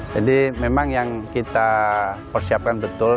jadi memang yang kita persiapkan betul